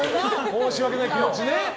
申し訳ない気持ちね。